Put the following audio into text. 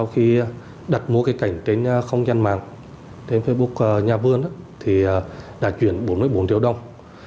khi đặt mua cây cảnh trên không gian mạng trên facebook nhà vườn thì đã chuyển bốn mươi bốn triệu đồng